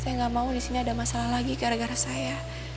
saya nggak mau di sini ada masalah lagi gara gara saya